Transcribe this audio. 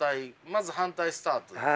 まず反対スタートですね。